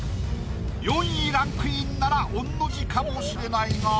４位ランクインなら御の字かもしれないが。